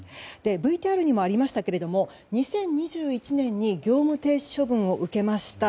ＶＴＲにもありましたけれども２０２１年に業務停止処分を受けました